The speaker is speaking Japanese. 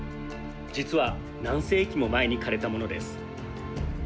実は何世紀も前に枯れたものです。